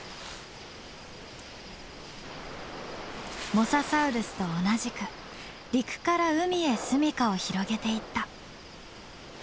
モササウルスと同じく陸から海へ住みかを広げていった。